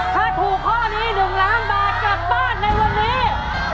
ถ้าถูกข้อนี้๑ล้านบาทกลับบ้านในวันนี้